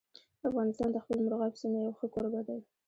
افغانستان د خپل مورغاب سیند یو ښه کوربه دی.